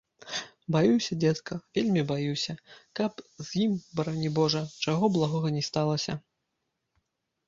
Баюся, дзедка, вельмі баюся, каб з ім, барані божа, чаго благога не сталася.